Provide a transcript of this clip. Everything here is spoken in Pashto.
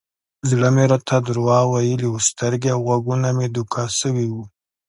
زړه مې راته دروغ ويلي و سترګې او غوږونه مې دوکه سوي وو.